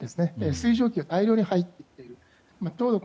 水蒸気が大量に入ってきている。